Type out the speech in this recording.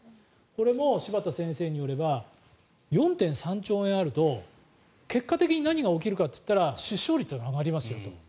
これも柴田先生によれば４．３兆円あると結果的に何が起きるかというと出生率が上がりますよと。